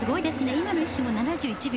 今の１周も７１秒。